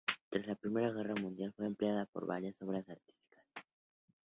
Tras la Primera Guerra Mundial fue muy empleada para varias obras artísticas.